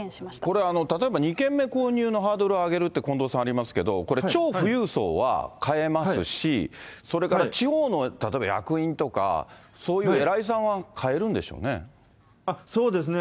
これは、例えば２軒目購入のハードルを上げるって、近藤さんありますけど、これ、超富裕層は買えますし、それから地方の例えば役人とか、そういうお偉いさんは買えるんでそうですね。